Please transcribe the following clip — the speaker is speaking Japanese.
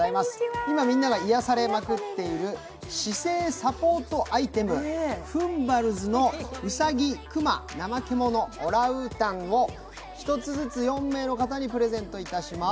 今、みんなが癒やされまくっている姿勢サポートアイテム、ふんばるずのうさぎ、クマ、ナマケモノ、オランウータンを１つずつ４名の方にプレゼントします。